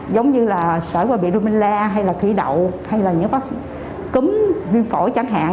giống như là sở hồi bị ruminla hay là thủy đậu hay là những vắc xin cấm viêm phổi chẳng hạn